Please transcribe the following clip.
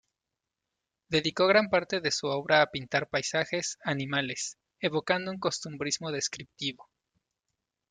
Dedicó gran parte de su obra a pintar paisajes, animales, evocando un costumbrismo descriptivo.